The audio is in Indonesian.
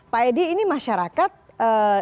pak edi ini masyarakat yang menggunakan pertamaks